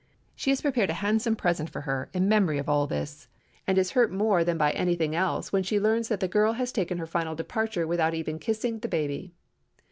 She has prepared a handsome present for her in memory of all this, and is hurt more than by anything else when she learns that the girl has taken her final departure without even kissing the baby.